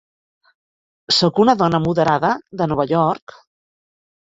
Sóc una dona moderada de Nova York.